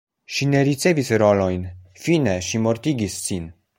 Ŝi ne ricevis rolojn, fine ŝi mortigis sin.